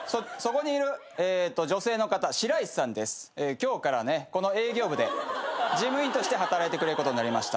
今日からこの営業部で事務員として働いてくれることになりました。